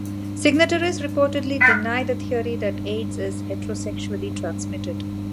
Signatories reportedly deny the theory "that Aids is heterosexually transmitted".